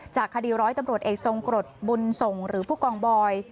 คดีร้อยตำรวจเอกทรงกรดบุญส่งหรือผู้กองบอย